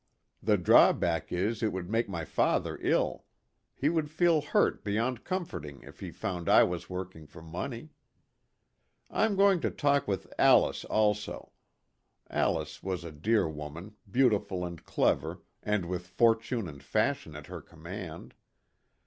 The drawback is it would make my father ill he would feel hurt beyond comforting if he found I was working for money. " I am going to talk with Alice also " (Alice was a dear woman, beautiful and clever and with fortune and fashion at her command).